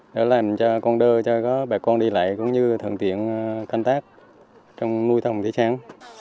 để làm cho con đơ cho có bà con đi lại cũng như thường tiện canh tác trong nuôi tôm thế trắng